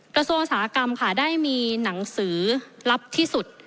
กระทรวงศาลกรรมได้มีหนังสือลับที่สุด